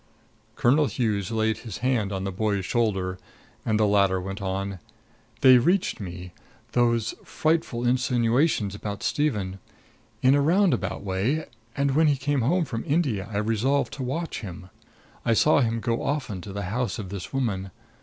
Colonel Hughes laid his hand on the boy's shoulder, and the latter went on: "They reached me those frightful insinuations about Stephen in a round about way; and when he came home from India I resolved to watch him. I saw him go often to the house of this woman.